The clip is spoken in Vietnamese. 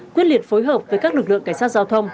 quyết liệt phối hợp với các lực lượng cảnh sát giao thông